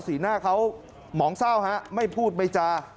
สีหน้าเขาหมองเศร้าฮะไม่พูดไม่จา